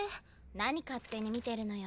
何勝手に見てるのよ。